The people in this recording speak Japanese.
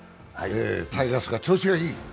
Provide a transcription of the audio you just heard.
タイガースが調子がいい。